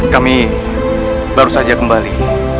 kami baru saja kembali